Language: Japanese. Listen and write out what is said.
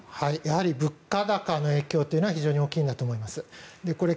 やはり物価高の影響というのは非常に大きいんだと思います。